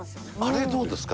あれどうですか？